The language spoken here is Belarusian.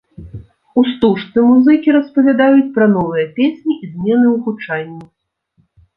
У стужцы музыкі распавядаюць пра новыя песні і змены ў гучанні.